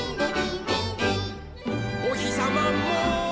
「おひさまも」